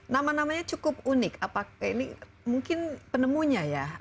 nama namanya cukup unik apakah ini mungkin penemunya ya